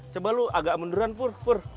coba lu agak munduran pur